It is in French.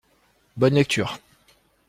Bonne lecture.